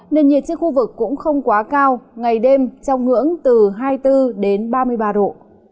nền nhiệt trên khu vực cũng không quá cao ngày đêm trong ngưỡng từ hai mươi bốn đến ba mươi ba độ